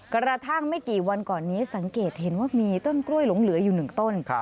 กระทั่งไม่กี่วันก่อนนี้สังเกตเห็นว่ามีต้นกล้วยหลงเหลืออยู่๑ต้น